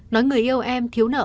nói người yêu em thiếu nợ